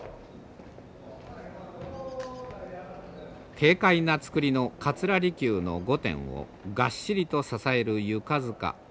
軽快な造りの桂離宮の御殿をがっしりと支える床づか。